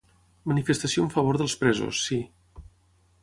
Manifestació en favor dels presos, sí.